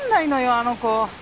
あの子。